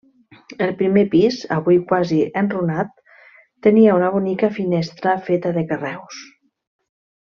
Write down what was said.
El primer pis, avui quasi enrunat, tenia una bonica finestra feta de carreus.